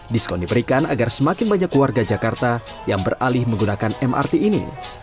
diskon diberikan agar semakin banyak warga jakarta yang beralih menggunakan mrt ini